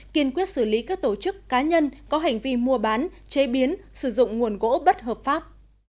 kiên quyết xử lý các tổ chức cá nhân có hành vi mua bán chế biến sử dụng nguồn gỗ bất hợp pháp